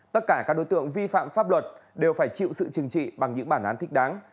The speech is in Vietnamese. tất cả các đối tượng vi phạm pháp luật đều phải chịu sự chừng trị bằng những bản án thích đáng